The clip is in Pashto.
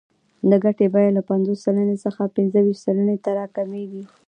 د ګټې بیه له پنځوس سلنې څخه پنځه ویشت سلنې ته راکمېږي